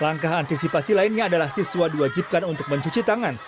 langkah antisipasi lainnya adalah siswa diwajibkan untuk mencuci tangan